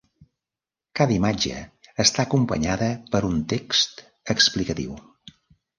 Cada imatge està acompanyada per un text explicatiu.